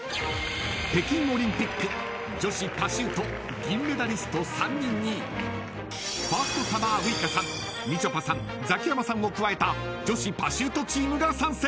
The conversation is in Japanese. ［北京オリンピック女子パシュート銀メダリスト３人にファーストサマーウイカさんみちょぱさんザキヤマさんを加えた女子パシュートチームが参戦］